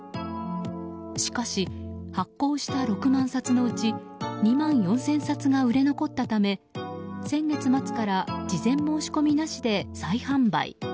しかし、発行した６万冊のうち２万４０００冊が売れ残ったため、先月末から事前申し込みなしで再販売。